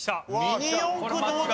ミニ四駆どうだ？